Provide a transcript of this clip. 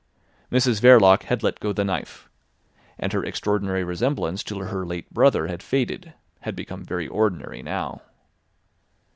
Mrs Verloc had let go the knife, and her extraordinary resemblance to her late brother had faded, had become very ordinary now.